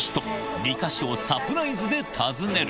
２か所をサプライズで訪ねる。